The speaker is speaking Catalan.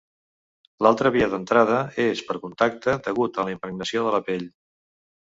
L’altra via d’entrada és per contacte degut a la impregnació de la pell.